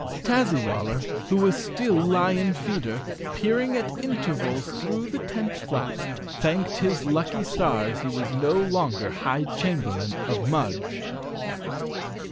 Tazzywaller, who was still lion feeder, peer 204 Chapter Fifteen ing at intervals through the tent flap thanked his lucky stars he was no longer high chamberlain of Mudge.